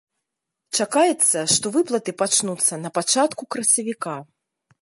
Чакаецца, што выплаты пачнуцца на пачатку красавіка.